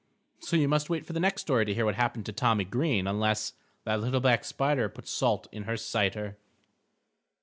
_" So you must wait for the next story to hear what happened to Tommy Green, unless _That little Black Spider Puts salt in her cider.